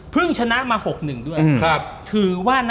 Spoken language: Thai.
พึ่งชนะมา๖๑